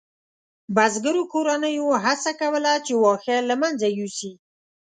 بزګرو کورنیو هڅه کوله چې واښه له منځه یوسي.